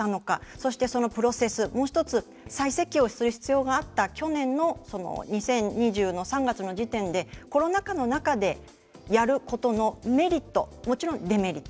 そしてそのプロセス、もう１つ再設計をする必要があった去年の２０２０の３月の時点でコロナ禍の中でやることのメリット、もちろんデメリット。